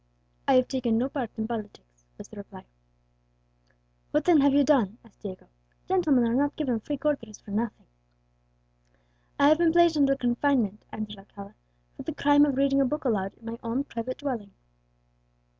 "I have taken no part in politics," was the reply. "What then have you done?" asked Diego; "gentlemen are not given free quarters for nothing." "I have been placed under confinement," answered Alcala, "for the crime of reading a book aloud in my own private dwelling."